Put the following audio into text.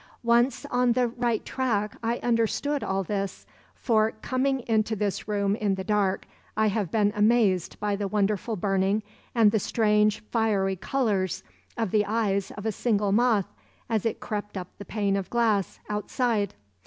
Once on the right track I understood all this, for coming into this room in the dark, I have been amazed by the wonderful burning and the strange fiery colors of the eyes of a single moth, as it crept up the pane of glass, outside.